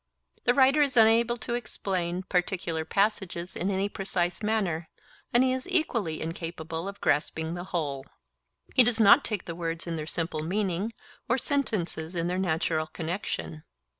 The writer is unable to explain particular passages in any precise manner, and he is equally incapable of grasping the whole. He does not take words in their simple meaning or sentences in their natural connexion.